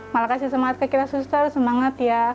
malah kasih semangat ke kita suster semangat ya